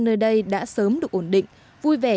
nơi đây đã sớm được ổn định vui vẻ